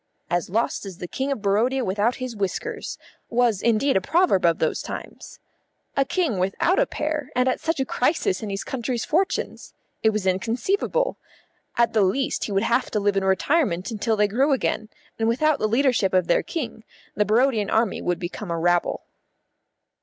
"As lost as the King of Barodia without his whiskers" was indeed a proverb of those times. A King without a pair, and at such a crisis in his country's fortunes! It was inconceivable. At the least he would have to live in retirement until they grew again, and without the leadership of their King the Barodian army would become a rabble.